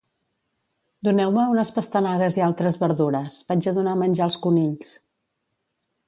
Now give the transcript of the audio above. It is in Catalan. Doneu-me unes pastanagues i altres verdures, vaig a donar menjar als conills.